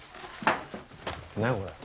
何これ。